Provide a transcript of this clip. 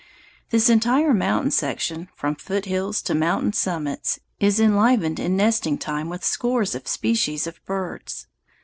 This entire mountain section, from foothills to mountain summits, is enlivened in nesting time with scores of species of birds.